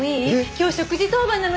今日食事当番なの。